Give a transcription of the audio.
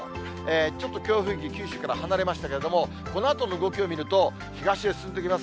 ちょっと強風域、九州から離れましたけれども、このあとの動きを見ると、東へ進んできます。